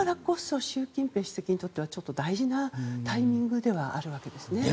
習近平主席にとってはちょっと大事なタイミングではあるわけですね。